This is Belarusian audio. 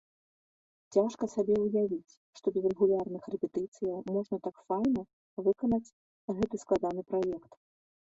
Цяжка сабе ўявіць, што без рэгулярных рэпетыцыяў можна так файна выканаць гэты складаны праект!